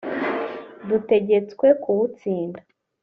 dutegetswe kuwutsinda